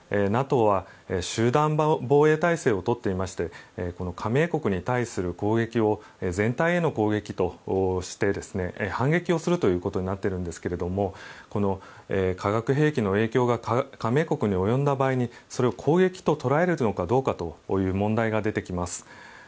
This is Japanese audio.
ＮＡＴＯは集団防衛態勢を取っていましてこの加盟国に対する攻撃を全体への攻撃として反撃をするということになっているんですが化学兵器の影響が加盟国に及んだ場合にそれを攻撃と捉えるのかどうかという問題が出てきます。